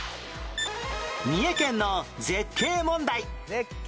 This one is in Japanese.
三重県の絶景問題